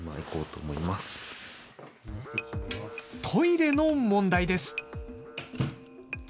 トイレの問題です。